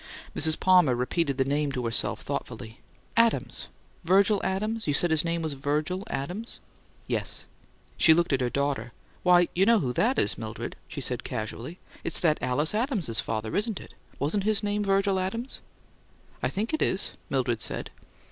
Mrs. Palmer repeated the name to herself thoughtfully. "'Adams' 'Virgil Adams.' You said his name was Virgil Adams?" "Yes." She looked at her daughter. "Why, you know who that is, Mildred," she said, casually. "It's that Alice Adams's father, isn't it? Wasn't his name Virgil Adams?" "I think it is," Mildred said.